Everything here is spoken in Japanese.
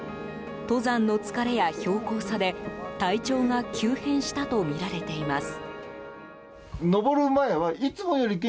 登山の疲れや標高差で体調が急変したとみられています。